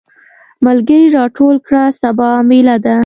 ملګري راټول کړه سبا ميله ده.